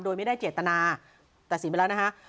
โดยไม่ได้เจตนาตัดสินไปแล้วนะฮะ